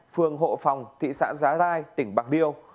phường hộ phòng thị xã giá rai tỉnh bạc liêu